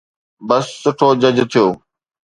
بس سٺو جج ٿيو.